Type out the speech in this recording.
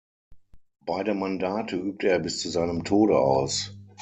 Beide Mandate übte er bis zu seinem Tode aus.